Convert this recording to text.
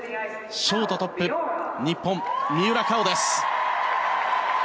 ショートトップ日本、三浦佳生です。